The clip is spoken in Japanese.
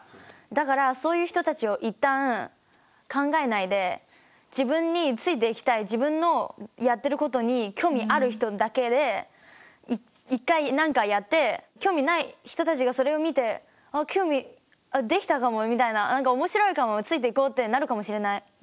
だからそういう人たちを一旦考えないで自分についていきたい自分のやってることに興味ある人だけで一回何かやって興味ない人たちがそれを見て「興味できたかも」みたいな「何か面白いかもついていこう」ってなるかもしれないと私は思ったんだよね。